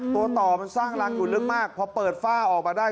ตัวต่อมันสร้างรังอยู่ลึกมากพอเปิดฝ้าออกมาได้